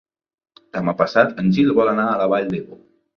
Demà passat en Gil vol anar a la Vall d'Ebo.